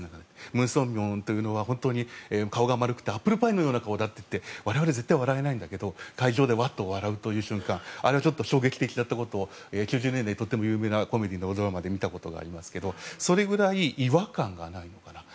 文鮮明というのは、顔が丸くてアップルパイのような顔だって我々は絶対笑えないんだけど会場でわっと笑うという瞬間は衝撃的だったことを９０年代のとても有名なコメディーのドラマで見たことがありますけどそれくらい違和感がない。